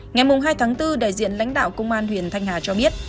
ngày hai tháng bốn đại diện lãnh đạo công an huyện thanh hà cho biết